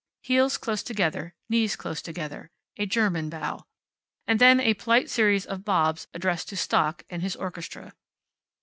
Heels close together, knees close together. A German bow. And then a polite series of bobs addressed to Stock and his orchestra.